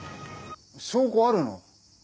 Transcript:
証拠あるの？